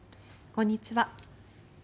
こんにちは。